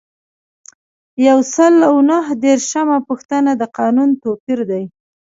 یو سل او نهه دیرشمه پوښتنه د قانون توپیر دی.